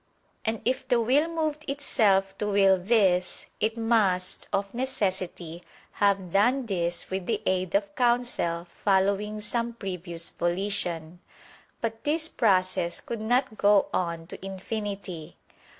And if the will moved itself to will this, it must, of necessity, have done this with the aid of counsel following some previous volition. But this process could not go on to infinity.